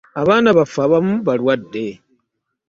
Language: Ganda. Abaana baffe abamu balwadde.